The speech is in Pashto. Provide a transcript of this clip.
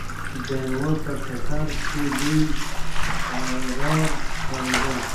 د يوه په ټټر کې لوی پرار ښکارېده.